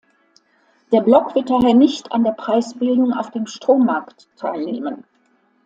Der Block wird daher nicht an der Preisbildung auf dem Strommarkt teilnehmen.